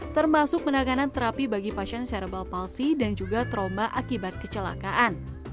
termasuk penanganan terapi bagi pasien cereble palsy dan juga trauma akibat kecelakaan